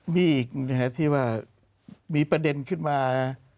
มีอีกที่ว่ามีประเด็นขึ้นมา